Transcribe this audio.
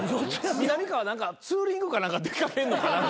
みなみかわ何かツーリングかなんか出掛けんのか？